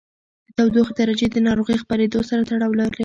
د تودوخې درجې د ناروغۍ خپرېدو سره تړاو لري.